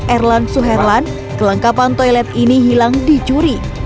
erlan suherlan kelengkapan toilet ini hilang dicuri